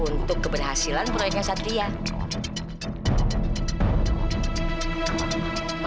untuk keberhasilan proyeknya satria